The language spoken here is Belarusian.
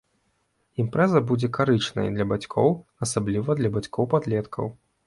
Імпрэза будзе карычнай для бацькоў, асабліва для бацькоў падлеткаў.